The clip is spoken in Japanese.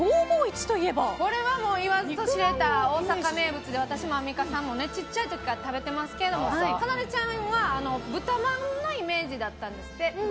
これは言わずと知れた大阪名物で私もアンミカさんもちっちゃい時から食べてますけどもかなでちゃんは豚まんのイメージだったんですって。